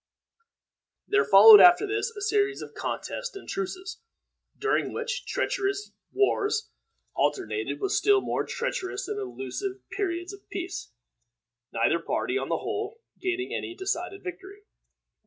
There followed after this a series of contests and truces, during which treacherous wars alternated with still more treacherous and illusive periods of peace, neither party, on the whole, gaining any decided victory.